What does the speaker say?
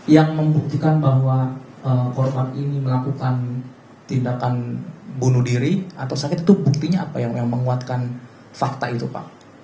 yang membuktikan bahwa korban ini melakukan tindakan bunuh diri atau sakit itu buktinya apa yang menguatkan fakta itu pak